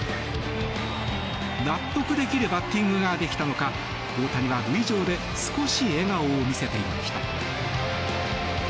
納得できるバッティングができたのか大谷は塁上で少し笑顔を見せていました。